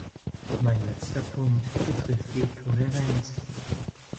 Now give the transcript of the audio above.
Mein letzter Punkt betrifft die Kohärenz.